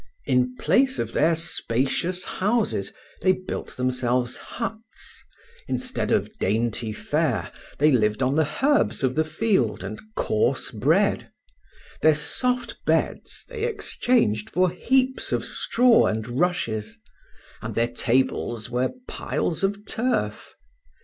In place of their spacious houses they built themselves huts; instead of dainty fare they lived on the herbs of the field and coarse bread; their soft beds they exchanged for heaps of straw and rushes, and their tables were piles of turf.